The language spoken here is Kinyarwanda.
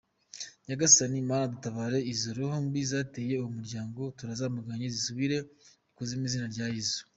Nyagasani Mana dutabare, izo rohombi zateye uwomuryango turazamaganye zisubire ikuzimu mu izina rya Yezu.